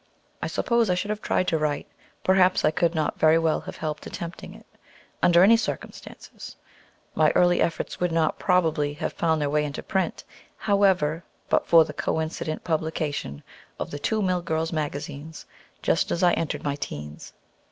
I suppose I should have tried to write, perhaps I could not very well have helped attempting it, under any circumstances. My early efforts would not, probably, have found their way into print, however, but for the coincident publication of the two mill girls' magazines, just as I entered my teens.